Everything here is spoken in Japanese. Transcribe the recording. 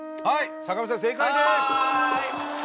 はい。